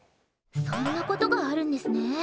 そんなことがあるんですね。